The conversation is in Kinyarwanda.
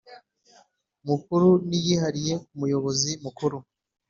Mukuru n iyihariye ku Muyobozi Mukuru